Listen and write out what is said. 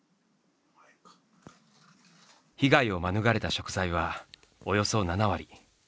被害を免れた食材はおよそ７割。